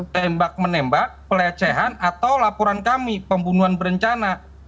tembak menembak pelecehan atau laporan kami pembunuhan berencana